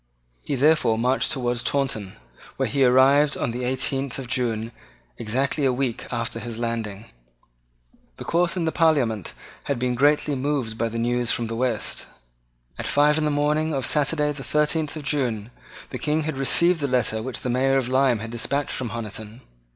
He therefore marched towards Taunton, where he arrived on the eighteenth of June, exactly a week after his landing. The Court and the Parliament had been greatly moved by the news from the West. At five in the morning of Saturday the thirteenth of June, the King had received the letter which the Mayor of Lyme had despatched from Honiton.